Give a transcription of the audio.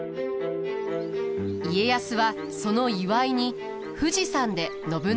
家康はその祝いに富士山で信長をもてなします。